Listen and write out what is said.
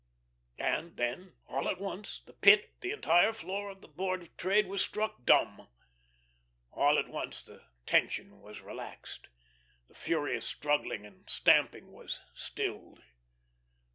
And then, all at once, the Pit, the entire floor of the Board of Trade was struck dumb. All at once the tension was relaxed, the furious struggling and stamping was stilled.